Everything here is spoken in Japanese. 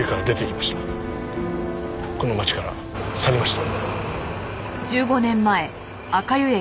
この町から去りました。